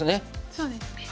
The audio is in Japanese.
そうですね。